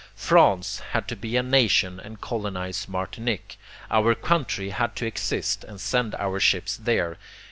France had to be a nation and colonize Martinique. Our country had to exist and send our ships there.